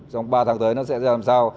trong ba tháng tới nó sẽ ra làm sao